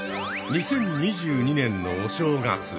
２０２２年のお正月。